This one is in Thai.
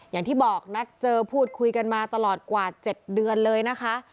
อย่างที่บอกนัดเจอพูดคุยกันมาตลอดกว่า๗เดือนเลยนะคะ